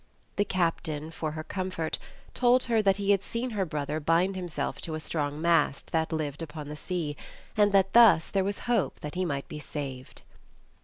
The Captain, for her comfort, told her that he had seen her brother bind himself to a strong mast that lived upon the sea, and that thus there was hope that he might be saved.